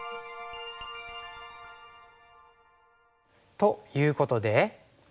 ということで。